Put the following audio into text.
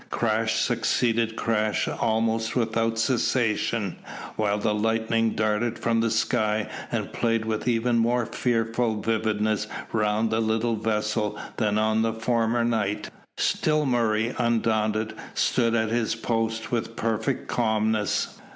Crash succeeded crash almost without cessation, while the lightning darted from the sky and played with even more fearful vividness round the little vessel than on the former night. Still Murray undaunted stood at his post with perfect calmness.